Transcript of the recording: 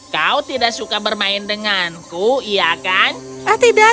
kau tidak suka bermain denganku iya kan